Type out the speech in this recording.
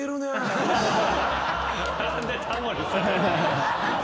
何でタモリさん。